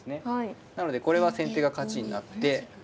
なのでこれは先手が勝ちになって。